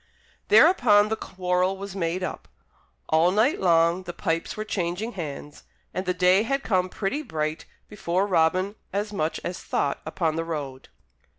Thereupon the quarrel was made up. All night long the pipes were changing hands, and the day had come pretty bright before Robin as much as thought upon the road.